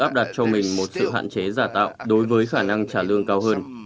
pháp đã đặt cho mình một sự hạn chế giả tạo đối với khả năng trả lương cao hơn